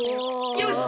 よし！